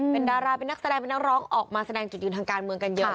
เป็นดาราเป็นนักแสดงเป็นนักร้องออกมาแสดงจุดยืนทางการเมืองกันเยอะ